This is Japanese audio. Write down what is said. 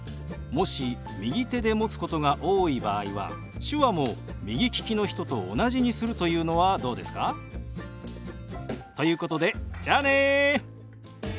もし右手で持つことが多い場合は手話も右利きの人と同じにするというのはどうですか？ということでじゃあね。